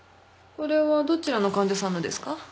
これはどちらの患者さんのですか？